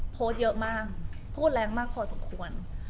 โพสต์เยอะมากพูดแรงมากพอสมควร